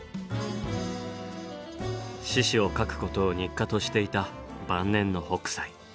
獅子を描くことを日課としていた晩年の北斎。